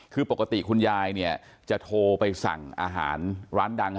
คือปกติคุณยายจะโทรไปสั่งอาหารร้านดัง